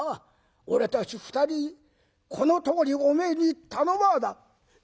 俺たち２人このとおりおめえに頼まあだ」。